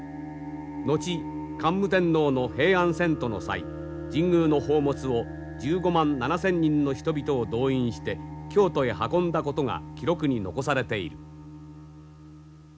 後桓武天皇の平安遷都の際神宮の宝物を１５万７，０００人の人々を動員して京都へ運んだことが記録に残されている。